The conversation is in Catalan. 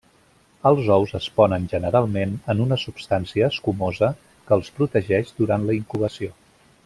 Els ous es ponen generalment en una substància escumosa que els protegeix durant la incubació.